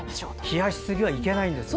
冷やしすぎはいけないんですね。